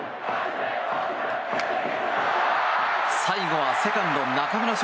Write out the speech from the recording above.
最後はセカンド、中村奨